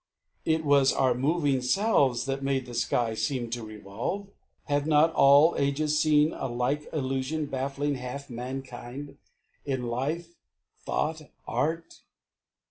It was our moving selves that made the sky Seem to revolve. Have not all ages seen A like illusion baffling half mankind In life, thought, art?